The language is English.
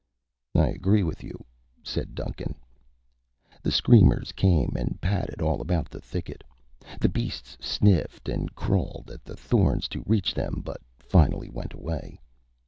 "I agree with you," said Duncan. The screamers came and padded all about the thicket. The beasts sniffed and clawed at the thorns to reach them, but finally went away.